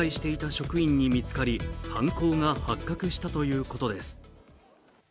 職員に見つかり犯行が発覚したということです。